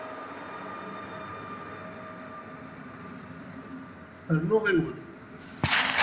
Rnu ɣiwel!